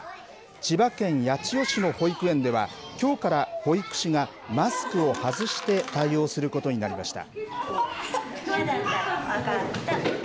千葉県八千代市の保育園では、きょうから保育士がマスクを外して対応することになりました。